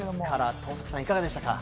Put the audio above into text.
登坂さん、いかがでしたか？